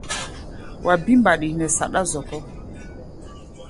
Wa bí mbaɗi nɛ saɗá zɔkɔ́.